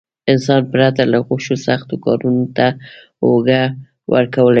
انسان پرته له غوښو سختو کارونو ته اوږه ورکولای شي.